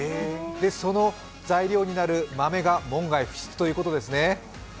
その材料になる豆が門外不出ということですね。